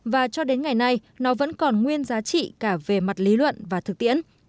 và cho đến ngày nay nó vẫn còn nguyên giá trị cả về mặt lý luận và thực tiễn